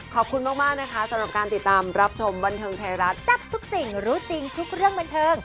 ขอบคุณมากนะคะสำหรับการติดตามรับชมบันเทิงไทยรัฐจับทุกสิ่งรู้จริงทุกเรื่องบันเทิง